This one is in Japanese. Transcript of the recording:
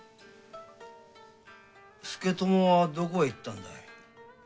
佐智はどこへ行ったんだい？